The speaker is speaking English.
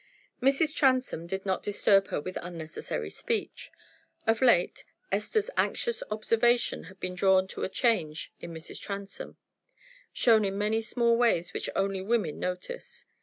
Mrs. Transome did not disturb her with unnecessary speech. Of late, Esther's anxious observation had been drawn to a change in Mrs. Transome, shown in many small ways which only women notice.